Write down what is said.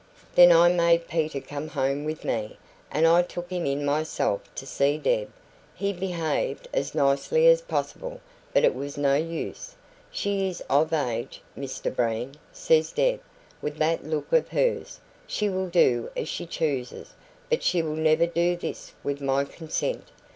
"Then I made Peter come home with me, and I took him in myself to see Deb. He behaved as nicely as possible, but it was no use. 'She is of age, Mr Breen,' says Deb, with that look of hers; 'she will do as she chooses, but she will never do this with my consent.'